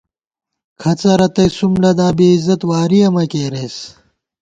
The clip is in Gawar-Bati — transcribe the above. کھڅہ رتئ سُم لدا ، بےعزت وارِیَہ مہ کېرېس